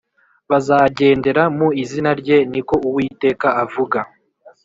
bazagendera mu izina rye Ni ko Uwiteka avuga